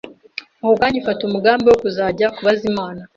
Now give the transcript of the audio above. Ako kanya ifata umugambi wo kuzajya kubaza Imana